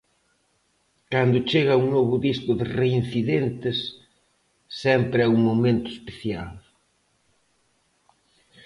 Cando chega un novo disco de Reincidentes, sempre é un momento especial.